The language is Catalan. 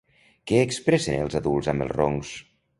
Què expressen els adults amb els roncs?